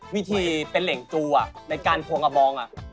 วิธีเป็นเหล่งจูในการพวงกระบอง